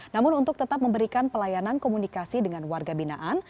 namun untuk tetap memberikan pelayanan komunikasi dengan warga binaan